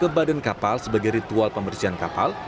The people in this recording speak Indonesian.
dan disiram ke badan kapal sebagai ritual pembersihan kapal